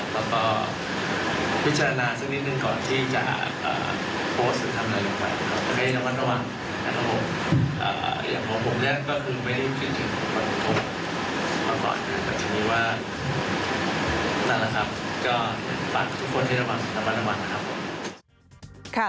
แล้วก็วิจารณาหนึ่งก่อนเหลือของเรา